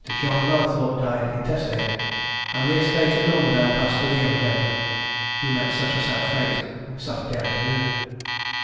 John Mallathorpe died intestate, and the estate at Normandale passed to the young gentleman who met such a sad fate on Saturday afternoon.